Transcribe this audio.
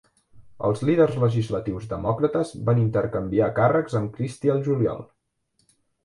Els líders legislatius demòcrates van intercanviar càrrecs amb Christie al juliol.